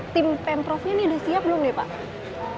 tim pemprov ini udah siap belum nih pak